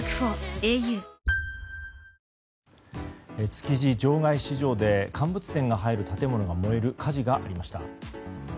築地場外市場で乾物店が入る建物が燃える火事がありました。